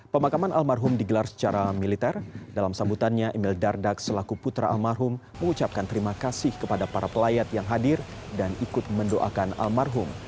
pemakaman almarhum digelar secara militer dalam sambutannya emil dardak selaku putra almarhum mengucapkan terima kasih kepada para pelayat yang hadir dan ikut mendoakan almarhum